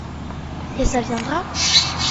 Et ça viendra ?